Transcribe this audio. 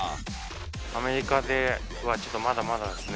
アメリカではちょっとまだまだですね。